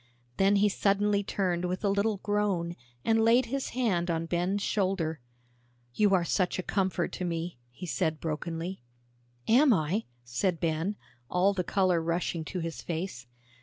Then he suddenly turned with a little groan, and laid his hand on Ben's shoulder. "You are such a comfort to me," he said brokenly. "Am I?" said Ben, all the color rushing to his face.